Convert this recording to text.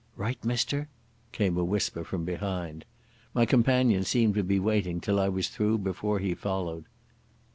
"Right, mister?" came a whisper from behind. My companion seemed to be waiting till I was through before he followed.